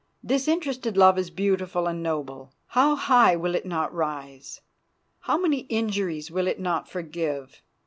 Disinterested love is beautiful and noble. How high will it not rise! How many injuries will it not forgive!